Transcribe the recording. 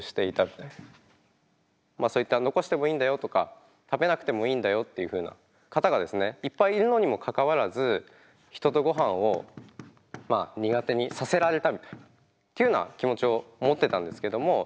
そういった残してもいいんだよとか食べなくてもいいんだよっていうふうな方がですねいっぱいいるのにもかかわらず人とごはんを苦手にさせられたみたいなっていうような気持ちを持ってたんですけども。